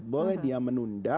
boleh dia menunda